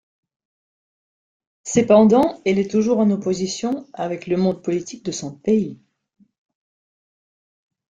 Cependant, elle est toujours en opposition avec le monde politique de son pays.